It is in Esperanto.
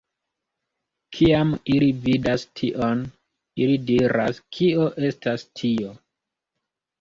Kiam ili vidas tion, ili diras kio estas tio?